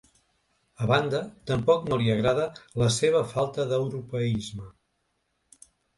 A banda, tampoc no li agrada ‘la seva falta d’europeisme’.